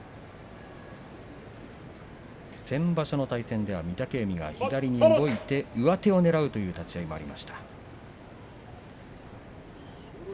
先場所の対戦では御嶽海が左に動いて上手をねらう立ち合いがありました。